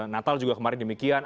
natal juga kemarin demikian